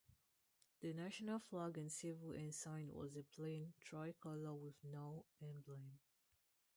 The national flag and civil ensign was a plain tricolour with no emblem.